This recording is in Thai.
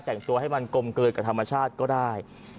แต่งตัวให้มันกลมกลืนกับธรรมชาติก็ได้